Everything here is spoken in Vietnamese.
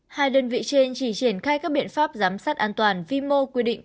hai đơn vị trên chỉ triển khai các biện pháp giám sát an toàn vi mô quy định